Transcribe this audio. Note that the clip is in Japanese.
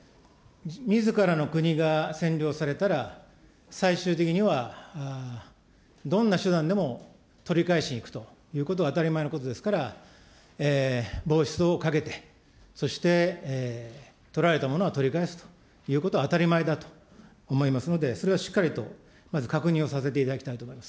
みずからの国が占領されたら、最終的にはどんな手段でも取り返しに行くということは当たり前のことですから、防衛出動をかけて、そして取られたものは取り返すということは当たり前だと思いますので、それをしっかりとまず確認をさせていただきたいと思います。